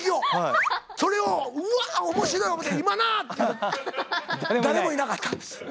それを「うわっ！面白い」思て「今な！」って言うて誰もいなかったんですよ。